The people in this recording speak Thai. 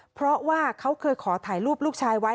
เพราะว่าเขาเคยขอถ่ายรูปลูกชายไว้